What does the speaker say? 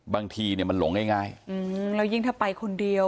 บางทีเนี่ยมันหลงง่ายแล้วยิ่งถ้าไปคนเดียว